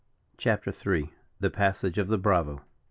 CHAPTER III. THE PASSAGE OF THE BRAVO.